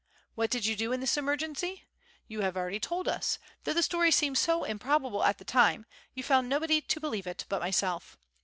What did you do in this emergency? You have already told us, though the story seemed so improbable at the time, you found nobody to believe it but myself.